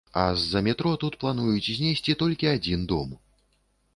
А з-за метро тут плануюць знесці толькі адзін дом.